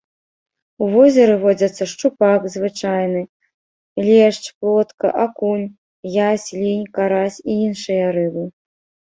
У возеры водзяцца шчупак звычайны, лешч, плотка, акунь, язь, лінь, карась і іншыя рыбы.